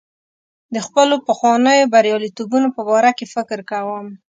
د خپلو پخوانیو بریالیتوبونو په باره کې فکر کوم.